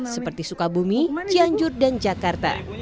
seperti sukabumi cianjur dan jakarta